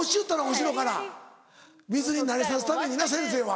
後ろから水に慣れさすためにな先生は。